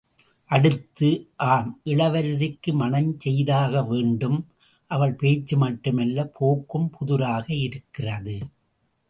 அடுத்து... ஆம் இளவரசிக்கு மணம் செய்தாக வேண்டும்!... அவள் பேச்சு மட்டுமல்ல, போக்கும் புதிராக இருக்கிறது.